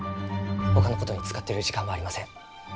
ほかのことに使ってる時間はありません。